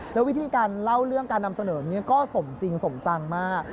แล้ววิธีการเล่าเรื่องการนำเสนอนี้ก็สมจริงสมจังมาก